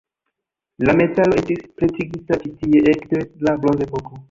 La metalo estis pretigita ĉi tie ekde la Bronzepoko.